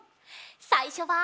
さいしょは。